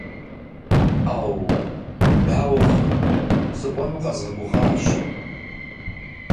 Ӏэу, дауэ хъун, сыкӏуэну къэзгъэгугъащ.